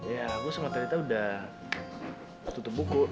ya gue semua talitha udah tutup buku